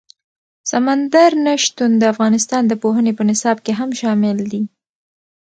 سمندر نه شتون د افغانستان د پوهنې په نصاب کې هم شامل دي.